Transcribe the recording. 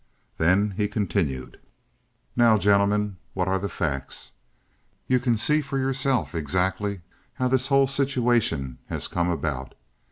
Then he continued: "Now, gentlemen, what are the facts? You can see for yourselves exactly how this whole situation has come about.